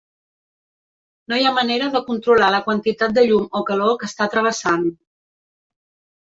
No hi ha manera de controlar la quantitat de llum o calor que està travessant.